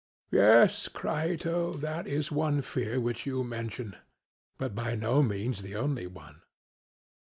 SOCRATES: Yes, Crito, that is one fear which you mention, but by no means the only one.